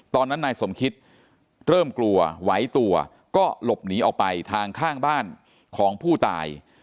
ตอนนั้นนายสมคิตเริ่มกลัวไหวตัวก็หลบหนีออกไปทางข้างบ้านของผู้ตาย